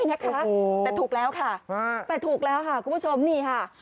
นะคะแต่ถูกแล้วค่ะแต่ถูกแล้วค่ะคุณผู้ชมนี่ค่ะ